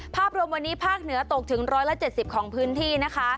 ภาพรวมวันนี้ภาคเหนือตกถึงร้อยละเจ็ดสิบของพื้นที่นะคะ